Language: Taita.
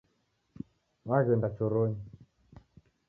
Waghenda choronyi